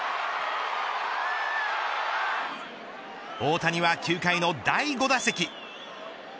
大谷は９回の第５打席。